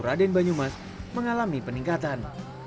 raden banyumas mengalami peningkatan